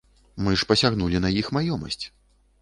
Мы ж пасягнулі на іх маёмасць.